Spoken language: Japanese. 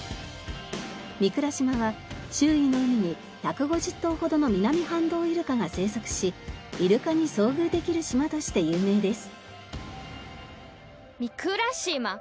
御蔵島は周囲の海に１５０頭ほどのミナミハンドウイルカが生息しイルカに遭遇できる島として有名です。